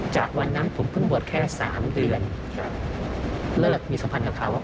จากวันนั้นผมเพิ่งบวชแค่สามเดือนครับเลิกมีสัมพันธ์กับเขา